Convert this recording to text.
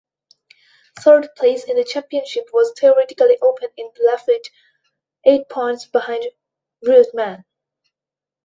Third place in the championship was theoretically open with Laffite eight points behind Reutemann.